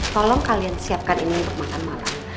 tolong kalian siapkan ini untuk makan malam